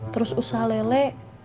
terus usaha lele